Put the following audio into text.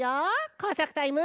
こうさくタイム。